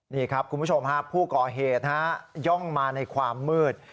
นี่ครับคุณผู้ชมฮะผู้ก่อเหตุย่องมาในความมืด